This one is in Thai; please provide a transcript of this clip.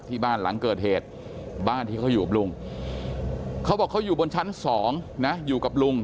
ที่บ้านหลังเกิดเหตุบ้านที่เขาอยู่กับลุงเขาบอกเขาอยู่บนชั้น๒นะอยู่กับลุง